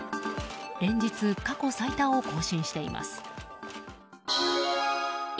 連日、過去最多を更新しています。